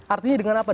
artinya dengan apa